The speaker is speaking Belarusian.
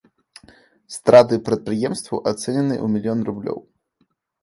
Страты прадпрыемству ацэнены ў мільён рублёў.